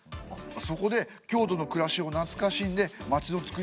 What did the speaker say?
そこで京都の暮らしをなつかしんで町のつくりを再現したんですね。